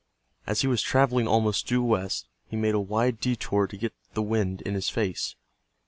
As he was traveling almost due west, he made a wide detour to get the wind in his face.